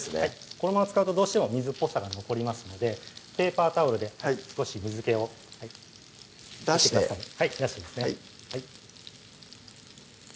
このまま使うとどうしても水っぽさが残りますのでペーパータオルで少し水気を出してはい出してですね